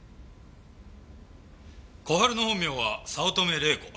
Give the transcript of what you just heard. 小春の本名は早乙女怜子。